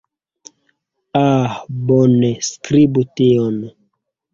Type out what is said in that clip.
Ah, bone. Skribu tion.